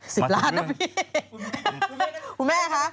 สิบล้านนะพี่